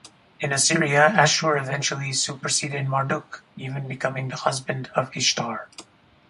In Assyria, Ashur eventually superseded Marduk, even becoming the husband of Ishtar.